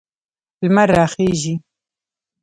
لمر راخیږي